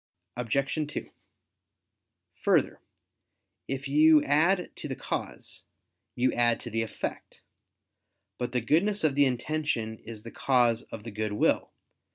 Obj. 2: Further, if you add to the cause, you add to the effect. But the goodness of the intention is the cause of the good will.